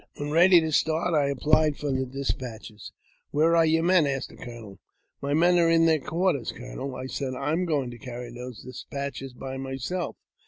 When ready to start, I applied for the despatches. " Where are your men? " asked the colonel. " My men are in their quarters, colonel," I said. "la; going to carry those despatches by myself."